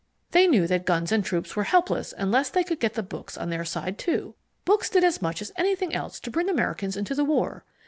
They knew that guns and troops were helpless unless they could get the books on their side, too. Books did as much as anything else to bring America into the war.